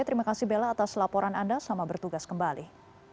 terima kasih bella atas laporan anda selamat bertugas kembali